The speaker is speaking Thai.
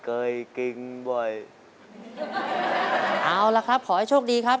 เอาล่ะครับขอให้โชคดีครับ